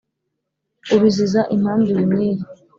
ubiziza impamvu iyi n’iyi